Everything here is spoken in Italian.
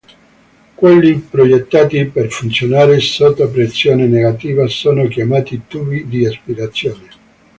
Quelli progettati per funzionare sotto pressione negativa sono chiamati tubi di aspirazione.